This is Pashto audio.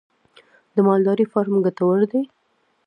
د مالدارۍ فارم ګټور دی؟